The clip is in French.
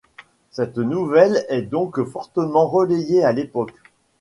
Cette nouvelle est donc fortement relayée, à l'époque.